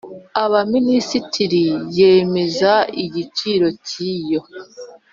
Abaminisitiri yemeza igiciro cy iyo